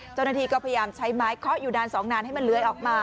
เจ้าหน้าที่ก็พยายามใช้ไม้เคาะอยู่นานสองนานให้มันเลื้อยออกมา